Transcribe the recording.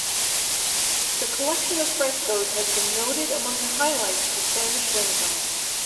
The collection of frescoes has been noted among the highlights of the Spanish Renaissance.